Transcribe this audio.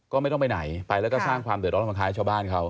ก็ไม่ต้องไปไหนไปแล้วก็สร้างความเดือดร้อนมาค้าให้ชาวบ้านเขา